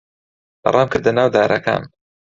ڕامکردە ناو دارەکان.